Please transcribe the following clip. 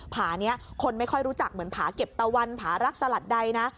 ผานี้คนไม่ค่อยรู้จักเหมือนผาเก็บตะวันผารักสลัดใดนะ